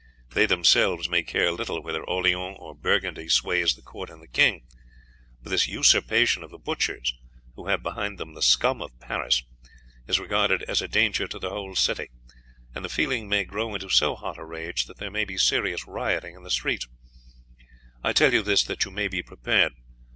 They themselves may care little whether Orleans or Burgundy sways the court and the king, but this usurpation of the butchers, who have behind them the scum of Paris, is regarded as a danger to the whole city, and the feeling may grow into so hot a rage that there may be serious rioting in the streets. I tell you this that you may be prepared.